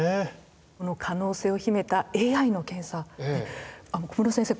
この可能性を秘めたＡＩの検査ね小室先生